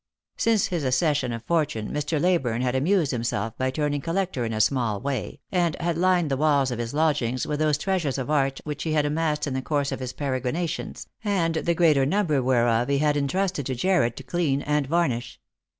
Since his accession of fortune Mr. Leyburne had amused himself by turning collector in a small way, and had lined the walls of his lodgings with those treasures of art which he had amassed in the course of his peregrinations, and the greater number whereof he had intrusted to Jarred to clean and varnish.